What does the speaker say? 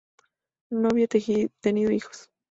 No había tenido hijos.